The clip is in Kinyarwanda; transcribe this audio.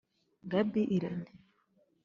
Gaby Irene